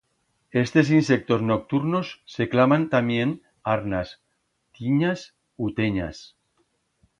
Estes insectos nocturnos se claman tamién arnas, tinyas u tenyas.